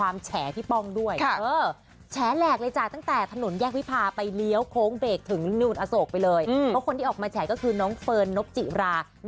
มองนานเฮ้ยคนสวยต้องมองนาน